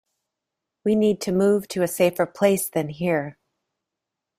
We need to move to a safer place than here.